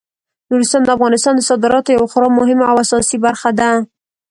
نورستان د افغانستان د صادراتو یوه خورا مهمه او اساسي برخه ده.